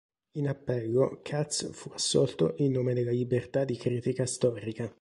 In Appello Katz fu assolto in nome della libertà di critica storica.